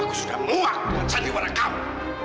aku sudah muak dengan sanil warah kamu